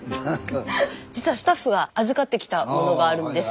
実はスタッフが預かってきたものがあるんです。